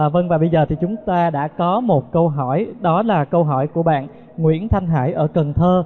vâng và bây giờ thì chúng ta đã có một câu hỏi đó là câu hỏi của bạn nguyễn thanh hải ở cần thơ